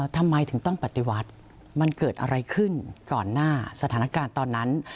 ทำไมถึงต้องปฏิวัติมันเกิดอะไรขึ้นก่อนหน้าสถานการณ์ตอนนั้น